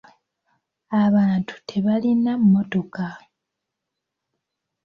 Abantu tebaalina mmotoka.